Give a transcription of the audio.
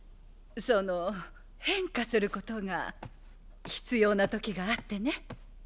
その変化することが必要な時があってね。